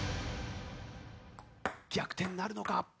逆転なるのか。